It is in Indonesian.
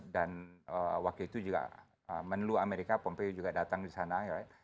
waktu itu juga menlu amerika pompeo juga datang di sana